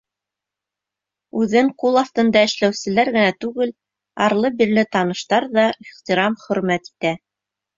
Үҙен ҡул аҫтында эшләүселәр генә түгел, арлы-бирле таныштар ҙа ихтирам, хөрмәт итә.